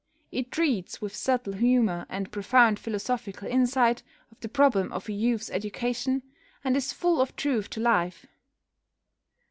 It treats, with subtle humour and profound philosophical insight, of the problem of a youth's education, and is full of truth to life.